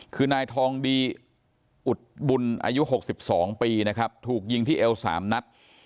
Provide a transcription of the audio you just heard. คือนายทองบิอุดบุญอายุ๖๒ปีถูกยิงที่เอวสามรัฐ